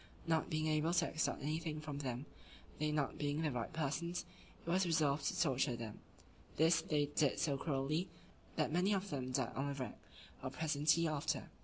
Not being able to extort anything from them, they not being the right persons, it was resolved to torture them: this they did so cruelly, that many of them died on the rack, or presently after.